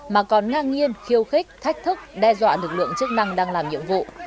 mà còn ngang nhiên khiêu khích thách thức đe dọa lực lượng chức năng đang làm nhiệm vụ